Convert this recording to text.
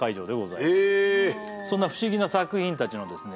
そんな不思議な作品たちのですね